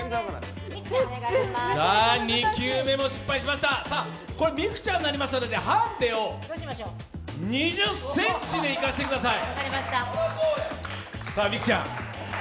２球目も失敗しました、これ美空ちゃんになりますのでハンデを２０ｃｍでいかせてください。